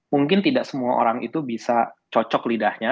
mungkin tidak semua orang itu bisa cocok lidahnya